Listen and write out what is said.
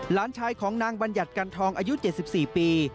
หลานชายของนางบัญญัติกันทองอายุเจ็ดสิบสี่ปี